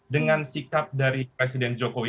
dengan sikap dari presiden jokowi